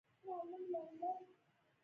په لس هاوو زره انسانان قتل شول.